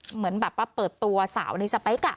เหมือนแบบว่าเปิดตัวสาวดีซับไปกะ